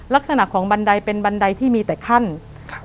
ลักษณะของบันไดเป็นบันไดที่มีแต่ขั้นครับ